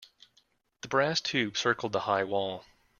The brass tube circled the high wall.